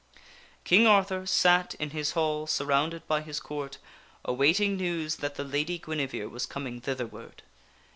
King Arthur sat in his hall surrounded by his Court awaiting news that the Lady Guinevere was coming thitherward.